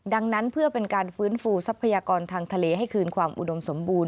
ดังนั้นเพื่อเป็นการฟื้นฟูทรัพยากรทางทะเลให้คืนความอุดมสมบูรณ